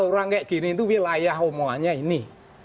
orang kayak gini itu wilayah omongannya ini